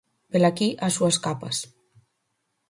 Velaquí as súas capas.